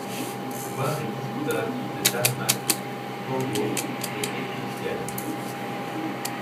Voir les discographies de Tarmac, Pow Wow et Ethnician.